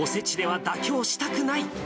おせちでは妥協したくない。